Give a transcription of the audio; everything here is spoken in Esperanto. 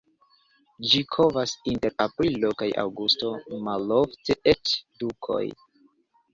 Ĝi kovas inter aprilo kaj aŭgusto, malofte eĉ dufoje.